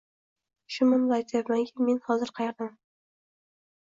shu maʼnoda aytyapmanki, men hozir qayerdaman